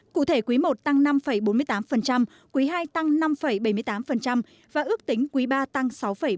cụ thể quý i tăng năm bốn mươi tám quý ii tăng năm bảy mươi tám và ước tính quý iii tăng sáu bốn mươi